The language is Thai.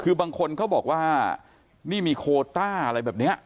คือบางคนเขาบอกว่านี่มีโคต้าอะไรแบบนี้